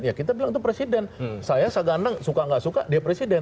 ya kita ber waktu presiden saya seganang suka nggak suka depresiden